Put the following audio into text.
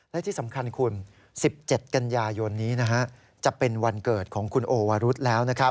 และที่สำคัญคุณ๑๗กันยายนนี้จะเป็นวันเกิดของคุณโอวารุธแล้ว